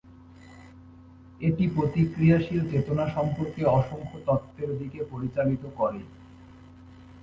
এটি প্রতিক্রিয়াশীল চেতনা সম্পর্কে অসংখ্য তত্ত্বের দিকে পরিচালিত করে।